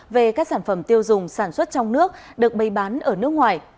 về các sản phẩm tiêu dùng sản xuất trong nước được bày bán ở nước ngoài